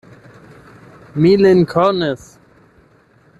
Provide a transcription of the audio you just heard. Mi lin konis.